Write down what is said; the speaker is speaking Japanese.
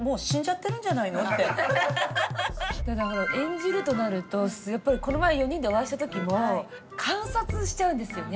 演じるとなるとやっぱりこの前４人でお会いした時も観察しちゃうんですよね。